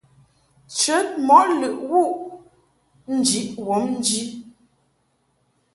Nchəd mɔʼ lɨʼ wuʼ njiʼ wɔbnji.